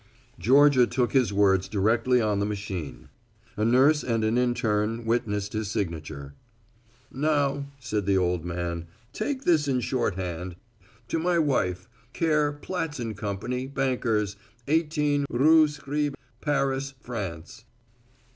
Georgia took his words directly on the machine. A nurse and an interne witnessed his signature. "Now," said the old man, "take this in shorthand, to my wife, care Platz & Company, Bankers, 18 Rue Scribe, Paris, France.